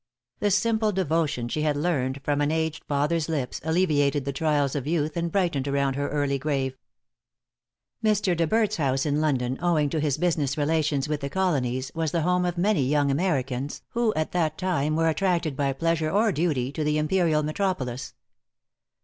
The simple devotion she had learned from an aged father's lips, alleviated the trials of youth, and brightened around her early grave. Mr. De Berdt's house in London, owing to his business relations with the Colonies, was the home of many young Americans who at that time were attracted by pleasure or duty to the imperial metropolis.